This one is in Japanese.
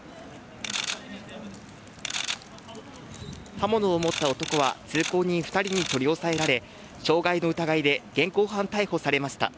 刃物を持った男は通行人２人に取り押さえられ、傷害の疑いで現行犯逮捕されました。